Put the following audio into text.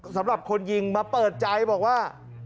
สำหรับคนยิงมาเปิดใจบอกว่า